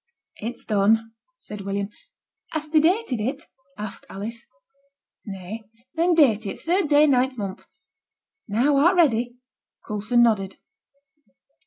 'It's done,' said William. 'Hast thee dated it?' asked Alice. 'Nay.' 'Then date it third day, ninth month. Now, art ready?' Coulson nodded.